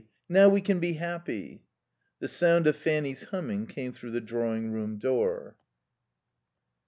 Now we can be happy." The sound of Fanny's humming came through the drawing room door.